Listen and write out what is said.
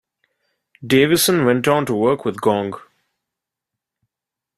Davison went on to work with Gong.